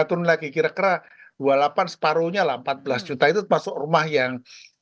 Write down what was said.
turun lagi kira kira dua puluh delapan separuhnya lah empat belas juta itu masuk rumah yang